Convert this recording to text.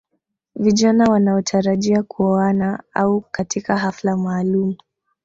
Vijana wanaotarajia kuoana au katika hafla maalum